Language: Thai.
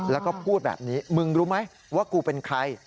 แล้วก็พูดแบบนี้มึงรู้ไหมว่ากูเป็นใคร